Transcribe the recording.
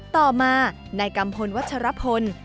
ต่อมานายกัมพลวัชรพล